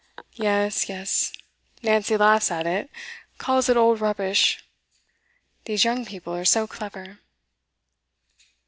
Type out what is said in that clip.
'Yes, yes. Nancy laughs at it calls it old rubbish. These young people are so clever.